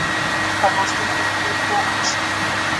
که لوستونکی پرې پوه نه شي.